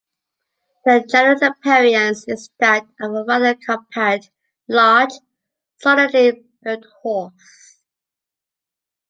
The general appearance is that of a rather compact, large, solidly-built horse.